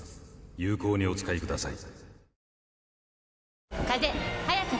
有効にお使いください。